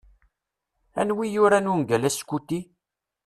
Anwa i yuran ungal Askuti?